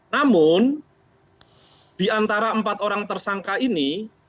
namun di antara empat orang tersangka ini